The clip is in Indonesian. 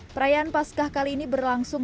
perayaan paskah kali ini berlangsung